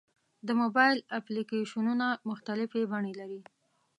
د موبایل اپلیکیشنونه مختلفې بڼې لري.